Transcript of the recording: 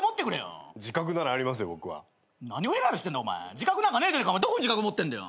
自覚なんかねえじゃねえかどこに自覚持ってんだよ。